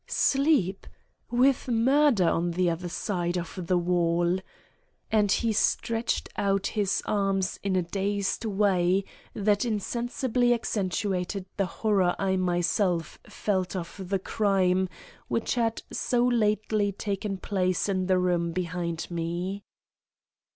"Sleep! with murder on the other side of the wall!" And he stretched out his arms in a dazed way that insensibly accentuated the horror I myself felt of the crime which had so lately taken place in the room behind me.